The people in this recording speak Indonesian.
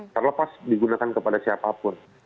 terlepas digunakan kepada siapapun